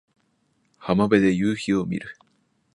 浜辺で夕陽を見る